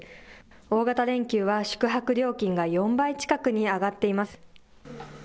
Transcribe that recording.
大型連休は宿泊料金が４倍近くに上がっています。